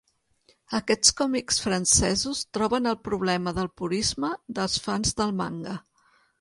Aquests còmics francesos troben el problema del purisme dels fans del manga.